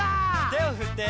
「手を振って」